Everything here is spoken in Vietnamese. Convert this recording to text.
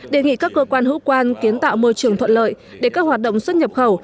đề nghị các cơ quan hữu quan kiến tạo môi trường thuận lợi để các hoạt động xuất nhập khẩu